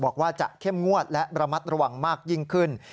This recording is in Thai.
บอกว่าจะเข้มงวดและระมัดระวังมากยิ่งขึ้น